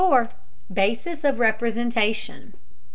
BASIS OF REPRESENTATION.